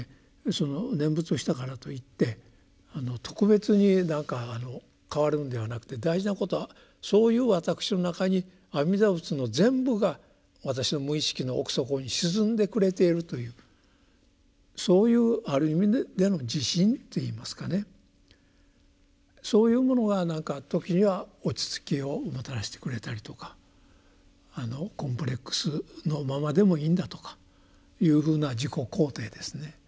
その念仏をしたからといって特別に何か変わるんではなくて大事なことはそういう私の中に阿弥陀仏の全部が私の無意識の奥底に沈んでくれているというそういうある意味での自信といいますかねそういうものが何か時には落ち着きをもたらしてくれたりとかコンプレックスのままでもいいんだとかいうふうな自己肯定ですね。